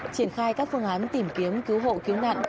triển khai các phương án tìm kiếm cứu hộ cứu nạn